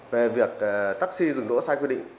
về việc taxi dừng đổ sai quy định